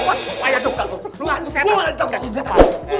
gua mau ditanggung